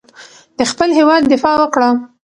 د خپل هېواد دفاع وکړه.